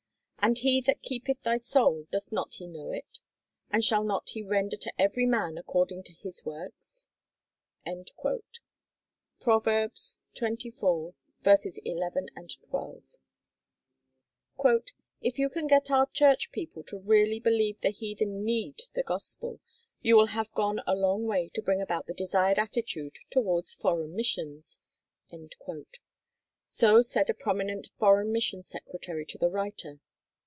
And he that keepeth thy soul, doth not he know it? And shall not he render to every man according to his works?_" (Prov. 24:11, 12.) "If you can get our church people to really believe the heathen NEED the Gospel, you will have gone a long way to bring about the desired attitude towards Foreign Missions." So said a prominent Foreign Mission Secretary to the writer.